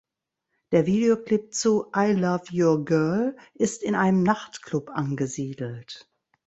Der Videoclip zu "I Luv Your Girl" ist in einem Nachtclub angesiedelt.